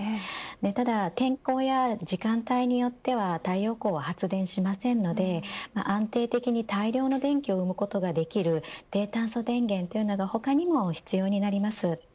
ただ天候や時間帯によっては太陽光は発電しませんので安定的に大量の電気を生むことができる低炭素電源というのが他にも必要になります。